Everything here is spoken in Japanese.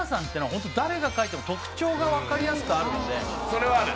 それはある。